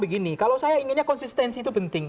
begini kalau saya inginnya konsistensi itu penting